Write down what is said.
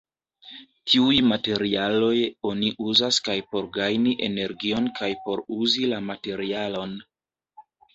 Tiuj materialoj oni uzas kaj por gajni energion kaj por uzi la materialon.